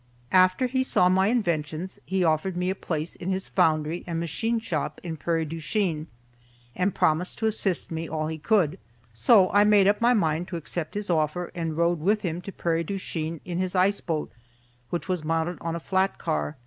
After he saw my inventions he offered me a place in his foundry and machine shop in Prairie du Chien and promised to assist me all he could. So I made up my mind to accept his offer and rode with him to Prairie du Chien in his iceboat, which was mounted on a flat car.